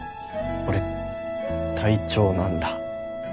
俺隊長なんだ。